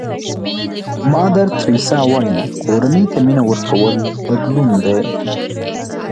مادر تریسیا وایي کورنۍ ته مینه ورکول بدلون دی.